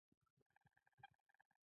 د یو کال کار لپاره یو میاشت مزد.